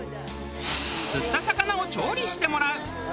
釣った魚を調理してもらう。